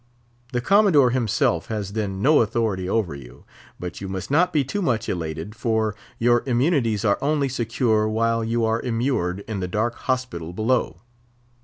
The Commodore himself has then no authority over you. But you must not be too much elated, for your immunities are only secure while you are immured in the dark hospital below.